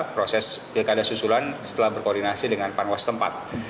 proses pilkada susulan setelah berkoordinasi dengan panwas tempat